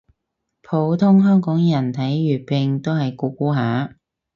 普通香港人睇粵拼都係估估下